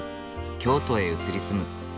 京都へ移り住む。